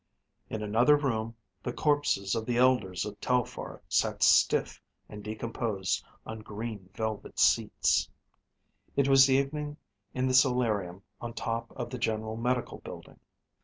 In another room, the corpses of the elders of Telphar sat stiff and decomposed on green velvet seats. It was evening in the solarium on top of the General Medical building.